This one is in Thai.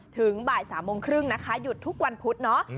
ถึงบ่าย๓โมงครึ่งนะคะหยุดทุกวันพุธเนาะ